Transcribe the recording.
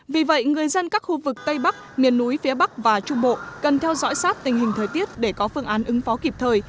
vì vậy người dân các khu vực tây bắc miền núi phía bắc và trung bộ cần theo dõi sát tình hình thời tiết để có phương án ứng phó kịp thời